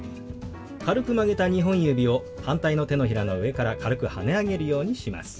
軽く曲げた２本指を反対の手のひらの上から軽くはね上げるようにします。